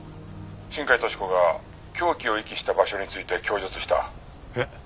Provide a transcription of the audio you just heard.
「新海登志子が凶器を遺棄した場所について供述した」えっ？